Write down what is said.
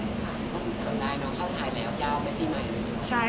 อเรนนี่ก็ถูกต้องการได้นะเข้าใจแล้วยาวแบบนี้ไหม